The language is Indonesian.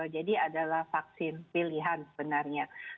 jadi adalah vaksin pilihan sebenarnya